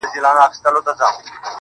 ستا په تعويذ كي به خپل زړه وويني.